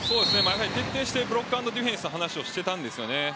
徹底してブロックアンドディフェンスの話していたんですよね。